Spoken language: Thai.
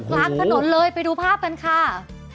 กลางถนนเลยไปดูภาพกันค่ะ